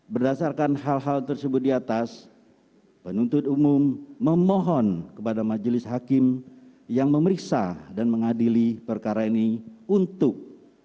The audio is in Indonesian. berdasarkan hal hal tersebut di atas penuntut umum memohon kepada majelis hakim yang memeriksa dan mengadili perkara ini untuk